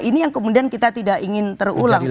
ini yang kemudian kita tidak ingin terulang